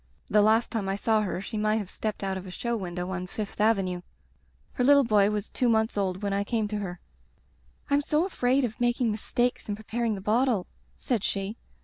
The last time I saw her she might have stepped out of a show window on Fifth Avenue. Her little boy was two months old when I came to her. Tm so afraid of making mistakes in preparing the bottle,' said she.